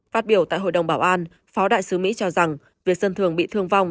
phát biểu tại hội đồng bảo an phó đại sứ mỹ cho rằng việc dân thường bị thương vong